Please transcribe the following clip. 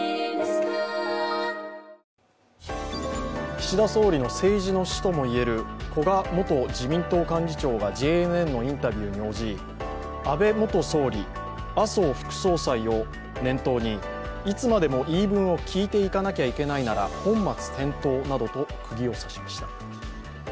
岸田総理の政治の師ともいえる自民党の古賀元自民党幹事長がＪＮＮのインタビューに応じ、安倍前総理、麻生副総裁を念頭にいつまでも言い分を聞いていかなきゃいけないなら本末転倒などと釘を刺しました。